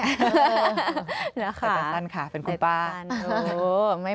แต่สั้นค่ะเป็นคุณป้า